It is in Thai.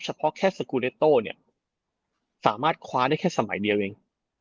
เพราะแค่สกูเลสโต้เนี่ยสามารถคว้าได้แค่สมัยเดียวเอง